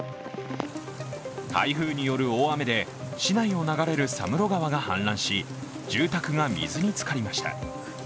台風による大雨で市内を流れる佐室川が氾濫し住宅が水につかりました。